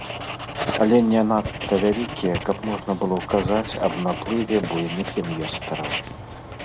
Але не надта вялікія, каб можна было казаць аб наплыве буйных інвестараў.